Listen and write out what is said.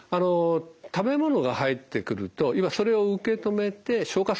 食べ物が入ってくると胃はそれを受け止めて消化するんですね。